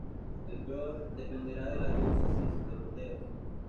Le Born dependerá de la diócesis de Burdeos.